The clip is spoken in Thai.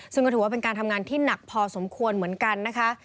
ซึ่งก็ถือว่าเป็นการทำงานที่หนักพอสมควรเหมือนกันนะคะ